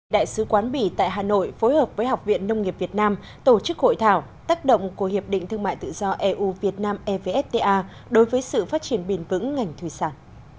đại sứ quán bỉ tại hà nội phối hợp với học viện nông nghiệp việt nam tổ chức hội thảo tác động của hiệp định thương mại tự do eu việt nam evfta đối với sự phát triển bền vững ngành thủy sản